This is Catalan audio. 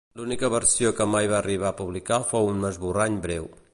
L'única versió que mai va arribar a publicar fou un esborrany breu.